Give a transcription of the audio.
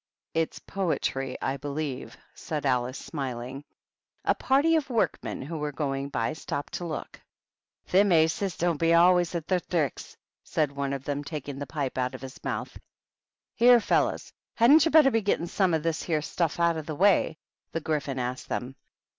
" It's poetry, I believe,*' said Alice, smiling. A party of workmen, who were going by, stopped to look. "Thim Aces do be always at their thricks," said one of them, taking the pipe out of his mouth. "Here, fellows, hadn't you better be gettin' some of this here stuff out of the way?'* the Gryphon asked them.